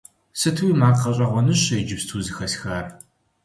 Сытуи макъ гъэщӀэгъуэныщэ иджыпсту зэхэсхар!